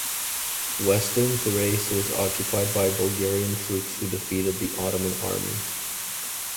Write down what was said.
Western Thrace was occupied by Bulgarian troops who defeated the Ottoman army.